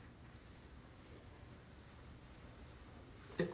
えっ